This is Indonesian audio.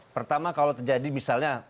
pertama kalau terjadi misalnya